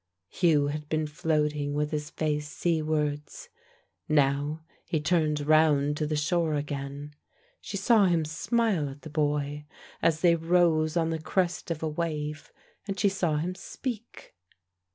Hugh had been floating with his face seawards. Now he turned round to the shore again. She saw him smile at the boy, as they rose on the crest of a wave, and she saw him speak.